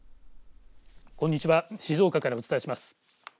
こんにちは静岡からお伝えします。